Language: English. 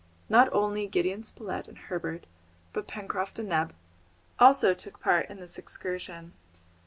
Not only Gideon Spilett and Herbert, but Pencroft and Neb also took part in this excursion.